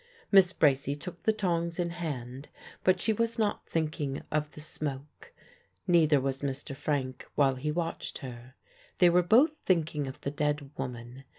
Miss Bracy took the tongs in hand, but she was not thinking of the smoke; neither was Mr. Frank, while he watched her. They were both thinking of the dead woman.